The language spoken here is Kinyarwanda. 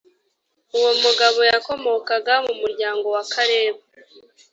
uwo mugabo yakomokaga mu muryango wa kalebu